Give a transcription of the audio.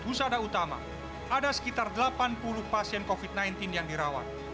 husada utama ada sekitar delapan puluh pasien covid sembilan belas yang dirawat